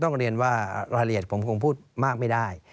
เรียนว่ารายละเอียดผมคงพูดมากไม่ได้